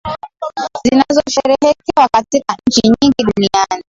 zinazosheherekewa katika nchi nyingi duniani